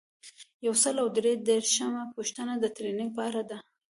یو سل او درې دیرشمه پوښتنه د ټریننګ په اړه ده.